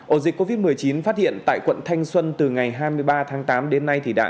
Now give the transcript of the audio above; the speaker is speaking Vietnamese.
ổn dịch covid một mươi chín phát hiện tại quận thanh xuân từ ngày hai mươi ba tháng tám đến nay